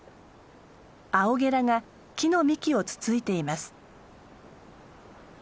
アオゲラが木の幹をつついています。